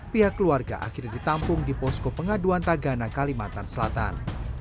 pihak keluarga akhirnya ditampung di posko pengaduan tagana kalimantan selatan